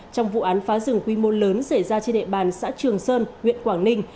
trong vụ án phá rừng quy mô lớn xảy ra trên địa bàn xã trường sơn huyện quảng ninh